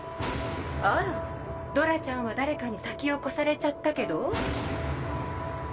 あらドラちゃんは誰かに先を越されちゃったけど？